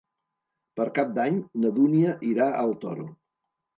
Per Cap d'Any na Dúnia irà al Toro.